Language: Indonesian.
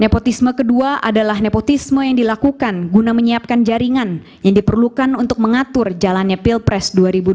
nepotisme kedua adalah nepotisme yang dilakukan guna menyiapkan jaringan yang diperlukan untuk mengatur jalannya pilpres dua ribu dua puluh